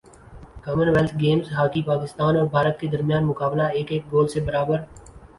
common wealth Games hockey Pakistan اور بھارت کے درمیان مقابلہ ایک ایک گول سے برابر